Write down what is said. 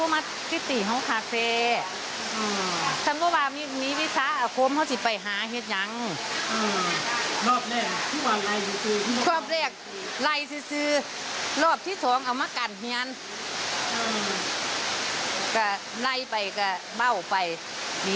ก็ไร่ไปมัวไปมีลิน่ะปิดใบรอบมีออกเรียวป่ะนี่